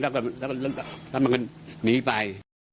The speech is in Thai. แล้วก็มันหนีไป